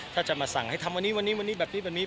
ถ้าจะมาสั่งไหมทำวันนี้วันนี้แบบนี้